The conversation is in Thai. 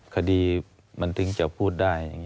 คดีมันถึงจะพูดได้